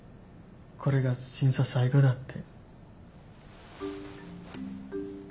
これが審査最後だって。